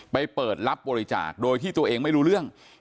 เปิดรับบริจาคโดยที่ตัวเองไม่รู้เรื่อง